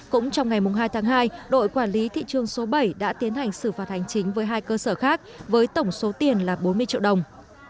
cũng trong ngày hai tháng hai đội quản lý thị trường số bảy đã tiến hành xử phạt hành chính với hai cơ sở khác với tổng số tiền là bốn mươi triệu đồng